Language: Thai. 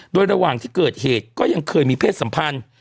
โดยระหว่างที่เกิดเหตุก็ยังเคยมีเพศสัมพันธ์